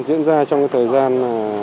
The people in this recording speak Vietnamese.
diễn ra trong thời gian